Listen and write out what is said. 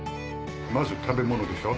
まず食べ物でしょ。